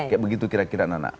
kayak begitu kira kira anak anak